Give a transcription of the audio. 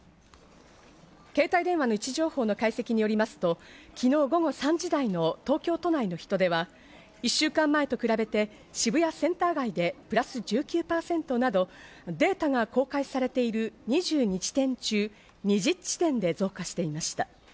携帯電話の位置情報の解析によりますと、昨日午後３時台の東京都内の人出は１週間前と比べて、渋谷センター街でプラス１９％など、データが公開されている２２地点中２０地点で増加していました。